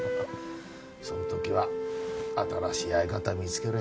その時は新しい相方見つけりゃいいんだよ。